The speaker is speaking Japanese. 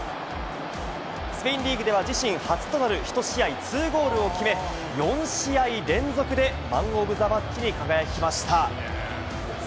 スペインリーグでは自身初となる、ひと試合２ゴールを決め、４試合連続でマン・オブ・ザ・マッチに輝きました。